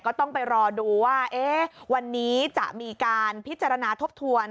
ก็ต้องไปรอดูว่าวันนี้จะมีการพิจารณาทบทวน